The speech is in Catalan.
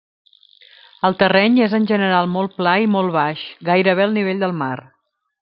El terreny és en general molt pla i molt baix, gairebé al nivell del mar.